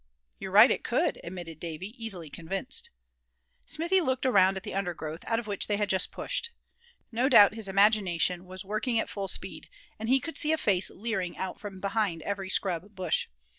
"You're right, it could," admitted Davy, easily convinced. Smithy looked around at the undergrowth, out of which they had just pushed. No doubt his imagination was working at full speed, and he could see a face leering out from behind every scrub bush.